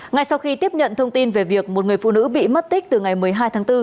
ngay sau khi tiếp nhận thông tin về việc một người phụ nữ bị mất tích từ ngày một mươi hai tháng bốn